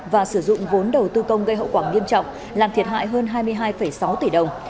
và sử dụng vốn đầu tư công gây hậu quả nghiêm trọng làm thiệt hại hơn hai mươi hai sáu tỷ đồng